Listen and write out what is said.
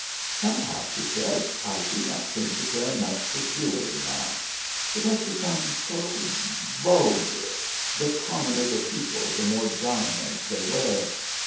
"Somehow," she said, "I do not seem to care much for jewellery now. It has become so vulgar the commoner the people, the more diamonds they wear.